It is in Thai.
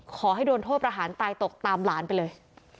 ขอให้โดนโทษประหารตายตกตามหลานไปเลย